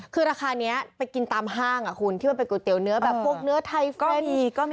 คือราคานี้ไปกินตามห้างคุณที่มันเป็นก๋วยเตี๋ยวเนื้อแบบพวกเนื้อไทเฟอร์บีก็มี